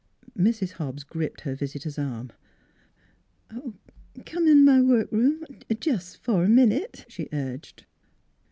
NEIGHBORS 37 Mrs. Hobbs gripped her visitor's arm. " Come in m' work room jus' for a minute," she urged.